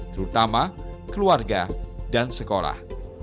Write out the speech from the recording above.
terutama keluarga dan sekolah